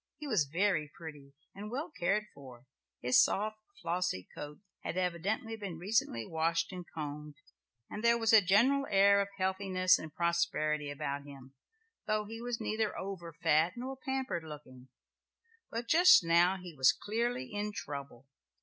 He was very pretty and well cared for; his soft, flossy coat had evidently been recently washed and combed, and there was a general air of healthiness and prosperity about him, though he was neither over fat nor pampered looking. But just now he was clearly in trouble.